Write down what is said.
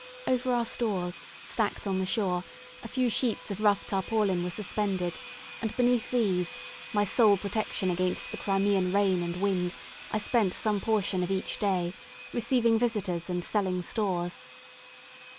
Over our stores, stacked on the shore, a few sheets of rough tarpaulin were suspended; and beneath these my sole protection against the Crimean rain and wind I spent some portion of each day, receiving visitors and selling stores.